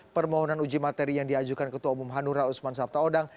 permohonan uji materi yang diajukan ketua umum hanura usman sabtaodang